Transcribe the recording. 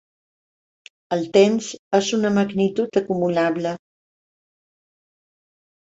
El temps és una magnitud acumulable.